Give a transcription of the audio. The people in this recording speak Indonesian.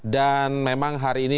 dan memang hari ini